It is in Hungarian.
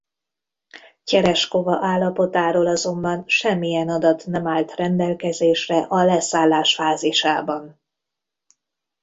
Tyereskova állapotáról azonban semmilyen adat nem állt rendelkezésre a leszállás fázisában.